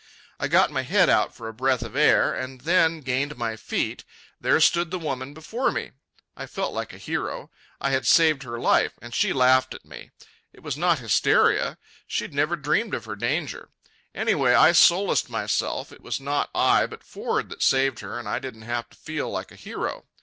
I got my head out for a breath of air and then gained my feet. There stood the woman before me. I felt like a hero. I had saved her life. And she laughed at me. It was not hysteria. She had never dreamed of her danger. Anyway, I solaced myself, it was not I but Ford that saved her, and I didn't have to feel like a hero.